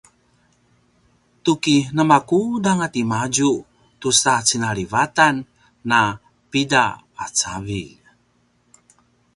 tuki namakudanga timadju tusa cinalivatan a pida cavilj?